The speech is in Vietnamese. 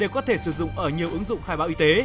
bệnh nhân có thể sử dụng ở nhiều ứng dụng khai báo y tế